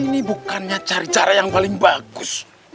ini bukannya cari cara yang paling bagus